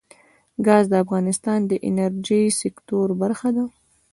ګاز د افغانستان د انرژۍ سکتور برخه ده.